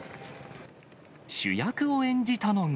主役を演じたのが。